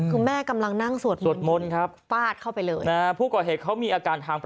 คือแม่กำลังนั่งสวดมซั้น